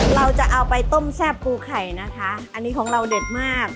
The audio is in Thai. เราจะเอาไปต้มแซ่บปูไข่นะคะอันนี้ของเราเด็ดมาก